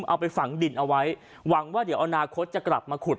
เอาไปฝังดินเอาไว้หวังว่าเดี๋ยวอนาคตจะกลับมาขุด